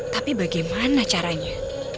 tapi bagaimana caranya